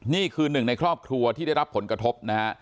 นี่คือ๑ในครอบครัวที่ได้รับผลกระทบ